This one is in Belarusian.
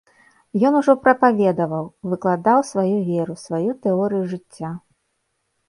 Ён ужо прапаведаваў, выкладаў сваю веру, сваю тэорыю жыцця.